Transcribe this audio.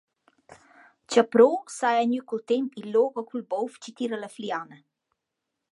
Cha pro saja gnü cul temp il logo cul bouv chi tira la fliana.